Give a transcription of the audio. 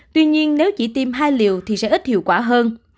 tuy nhiên nếu chỉ tiêm hai liều thì sẽ ít hiệu quả hơn